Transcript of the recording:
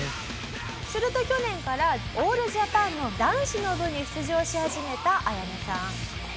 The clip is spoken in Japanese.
すると去年からオールジャパンの男子の部に出場し始めたアヤネさん。